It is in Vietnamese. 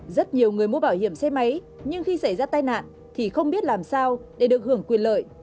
rất nhiều người mua bảo hiểm xe máy nhưng khi xảy ra tai nạn thì không biết làm sao để được hưởng quyền lợi